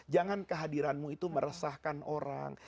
jangan kehadiranmu itu meresahkan orang